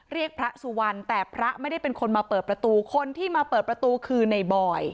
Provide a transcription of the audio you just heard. เรียกพระสุวรรณแต่พระไม่ได้เป็นคนมาเปิดประตูคนที่มาเปิดประตูคือในบอย